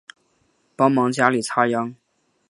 帮忙家里插秧